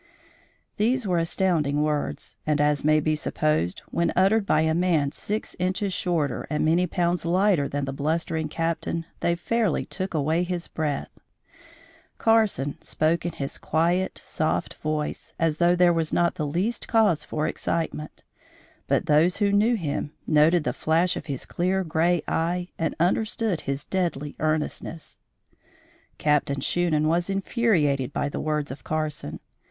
These were astounding words, and, as may be supposed, when uttered by a man six inches shorter and many pounds lighter than the blustering Captain, they fairly took away his breath. Carson spoke in his quiet, soft voice, as though there was not the least cause for excitement; but those who knew him, noted the flash of his clear, gray eye and understood his deadly earnestness. Captain Shunan was infuriated by the words of Carson.